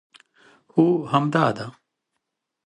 هو همدا ده